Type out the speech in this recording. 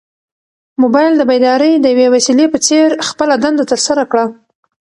موبایل د بیدارۍ د یوې وسیلې په څېر خپله دنده ترسره کړه.